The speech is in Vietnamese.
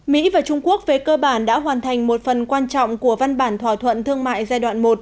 mỹ và trung quốc về cơ bản đã hoàn thành một phần quan trọng của văn bản thỏa thuận thương mại giai đoạn một